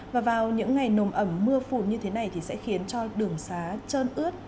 và vào những ngày nồm ẩm mưa phùn như thế này thì sẽ khiến cho đường xá trơn ướt